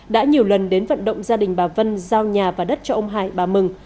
đã nhiều lần đến vận động gia đình bà vân giao nhà và đất cho ông hải bà mừng